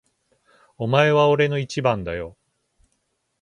お前は俺の一番だよ。